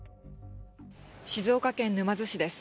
静岡県沼津市です。